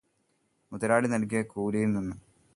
മുതലാളി നൽകിയ കൂലിയിൽനിന്ന്.